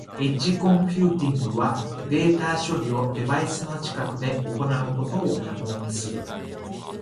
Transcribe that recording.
エッジコンピューティングはデータ処理をデバイスの近くで行うことを可能にする。